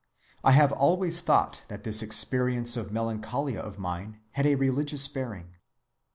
I have always thought that this experience of melancholia of mine had a religious bearing."